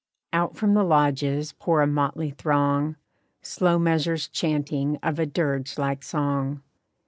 Out from the lodges pour a motley throng, Slow measures chanting of a dirge like song.